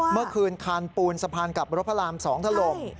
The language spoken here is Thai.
เมื่อคืนคานปูนสะพานกลับรถพระราม๒ถล่ม